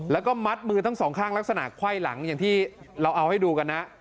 แล้วก็มัดมือทั้งสองข้างลักษณะไขว้หลังอย่างที่เราเอาให้ดูกันนะ